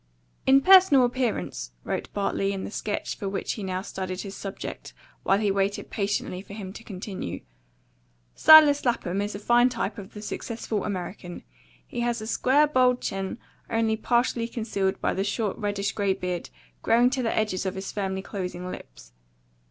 "In personal appearance," wrote Bartley in the sketch for which he now studied his subject, while he waited patiently for him to continue, "Silas Lapham is a fine type of the successful American. He has a square, bold chin, only partially concealed by the short reddish grey beard, growing to the edges of his firmly closing lips.